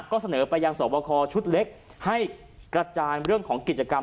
ก็เสนอไปยังสวบคอชุดเล็กให้กระจายเรื่องของกิจกรรม